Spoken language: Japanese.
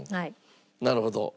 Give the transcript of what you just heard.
なるほど。